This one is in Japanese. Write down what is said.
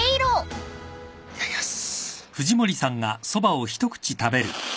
いただきます。